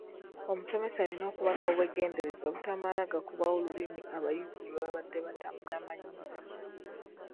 Omusomesa alina okuba n’obwegendereza obutamala gakubawo lulimi abayizi lwe babadde batannamanyiira.